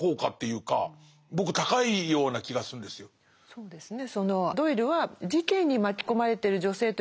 そうですね。